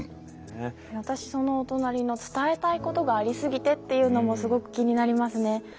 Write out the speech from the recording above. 私そのお隣の「伝えたいことがありすぎて」っていうのもすごく気になりますね。